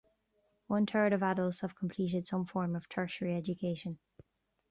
One third of adults have completed some form of tertiary education.